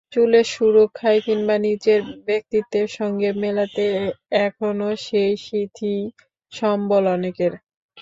চুলের সুরক্ষায় কিংবা নিজের ব্যক্তিত্বের সঙ্গে মেলাতে এখনো সেই সিঁথিই সম্বল অনেকের।